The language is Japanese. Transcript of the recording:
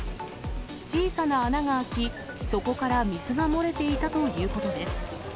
小さな穴が開き、そこから水が漏れていたということです。